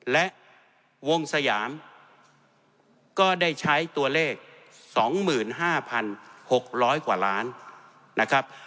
และวงสยามก็ได้ใช้ตัวเลข๒๕๖๐๐กว่าล้านนะครับ